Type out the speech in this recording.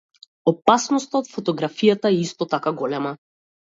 Опасноста од фотографијата е исто така голема.